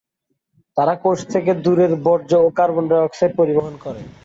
তারা কোষ থেকে দূরে বর্জ্য ও কার্বন ডাই অক্সাইড পরিবহন করে।